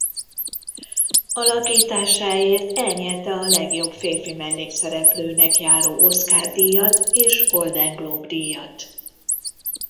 Alakításáért elnyerte a legjobb férfi mellékszereplőnek járó Oscar-díjat és Golden Globe-díjat.